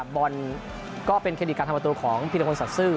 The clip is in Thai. บอลก็เป็นเครดิกันทางประตูของพิทธิคนศักดิ์ซื่อ